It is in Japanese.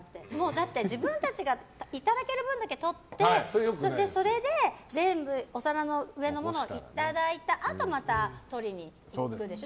だって、自分たちがいただける分だけ取ってそれで、全部お皿の上のものをいただいたあとまた、とりにいくでしょ。